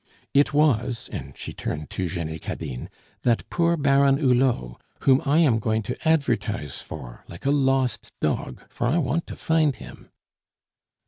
It was," and she turned to Jenny Cadine, "that poor Baron Hulot, whom I am going to advertise for like a lost dog, for I want to find him."